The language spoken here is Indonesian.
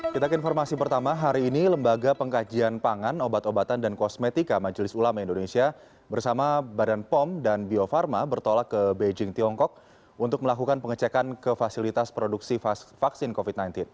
kita ke informasi pertama hari ini lembaga pengkajian pangan obat obatan dan kosmetika majelis ulama indonesia bersama badan pom dan bio farma bertolak ke beijing tiongkok untuk melakukan pengecekan ke fasilitas produksi vaksin covid sembilan belas